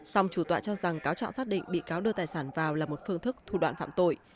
song chủ tọa cho rằng cáo trạng xác định bị cáo đưa tài sản vào là một phương thức thủ đoạn phạm tội